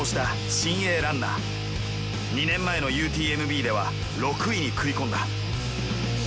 ２年前のＵＴＭＢでは６位に食い込んだ。